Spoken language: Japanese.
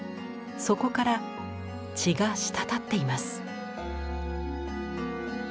そこから血が滴っています。